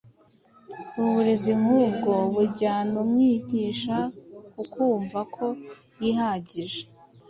Uburezi nk’ubwo bujyana umwigishwa ku kumva ko yihagije,